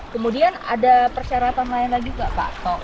kemudian ada persyaratan lain lagi nggak pak